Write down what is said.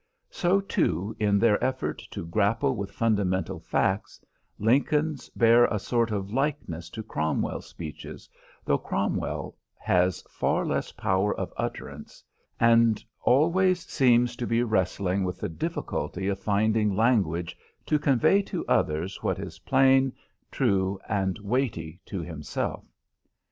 So too, in their effort to grapple with fundamental facts, Lincoln's bear a sort of likeness to Cromwell's speeches, though Cromwell has far less power of utterance, and always seems to be wrestling with the difficulty of finding language to convey to others what is plain, true and weighty to himself.